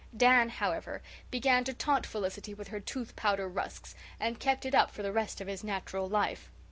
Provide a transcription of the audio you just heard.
Dan, however, began to taunt Felicity with her tooth powder rusks, and kept it up for the rest of his natural life.